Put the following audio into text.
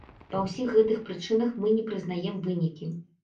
Па ўсіх гэтых прычынах, мы не прызнаем вынікі.